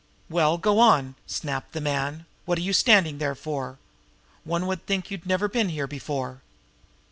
"Well, go on!" snapped the man. "What are you standing there for? One would think you'd never been here before!"